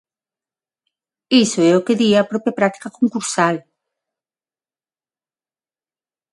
Iso é o que di a propia práctica concursal.